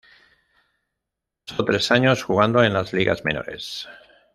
Pasó tres años jugando en las ligas menores.